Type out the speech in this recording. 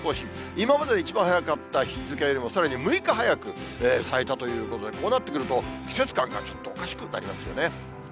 今までで一番早かった日付よりも、さらに６日早く咲いたということで、こうなってくると、季節感がちょっとおかしくなりますよね。